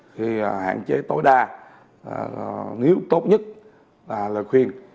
thì hạn chế tối đa nếu tốt nhất là lời khuyên